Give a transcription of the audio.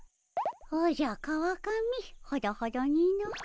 おじゃ川上ほどほどにの。